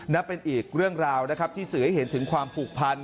นับเป็นอีกเรื่องราวนะครับที่สื่อให้เห็นถึงความผูกพัน